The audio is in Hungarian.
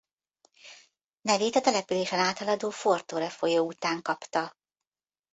Nevét a településen áthaladó Fortore folyó után kapta.